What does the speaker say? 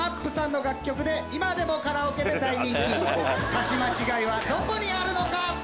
歌詞間違いはどこなのか？